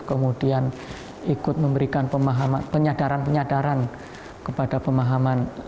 kemudian ikut memberikan pemahaman penyadaran penyadaran kepada pemahaman